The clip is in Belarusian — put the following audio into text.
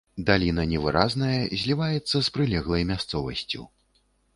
Даліна невыразная, зліваецца з прылеглай мясцовасцю.